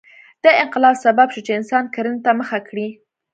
دا انقلاب سبب شو چې انسان کرنې ته مخه کړي.